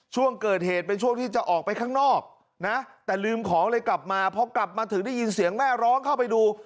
ช่วงเกิดเหตุเป็นช่วงที่จะออกไปข้างนอกนะแต่ลืมของเลยกลับมาพอกลับมาถึงได้ยินเสียงแม่ร้องเข้าไปดู